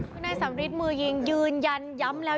คุณนายสัมฤทธิ์มือยิงยืนยันย้ำแล้ว